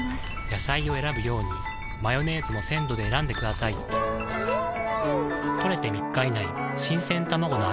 野菜を選ぶようにマヨネーズも鮮度で選んでくださいん！